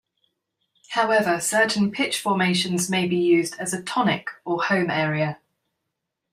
However, certain pitch formations may be used as a "tonic" or home area.